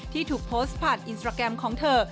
ที่ถูกโพสต์ผ่านอินสตราแกรมของเธอ